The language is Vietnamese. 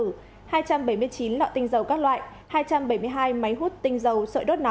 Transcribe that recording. hai trăm bảy mươi chín lọ tinh dầu các loại hai trăm bảy mươi hai máy hút tinh dầu sợi đốt nóng